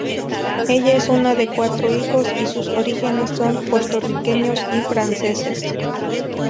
Ella es una de cuatro hijos, y sus orígenes son puertorriqueños y franceses.